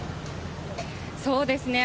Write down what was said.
そうですね。